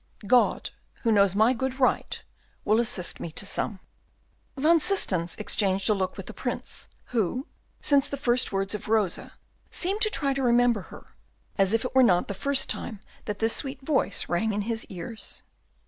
"God, who knows my good right, will assist me to some." Van Systens exchanged a look with the Prince, who, since the first words of Rosa, seemed to try to remember her, as if it were not for the first time that this sweet voice rang in his ears.